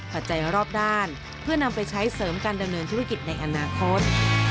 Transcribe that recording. ปัจจัยรอบด้านเพื่อนำไปใช้เสริมการดำเนินธุรกิจในอนาคต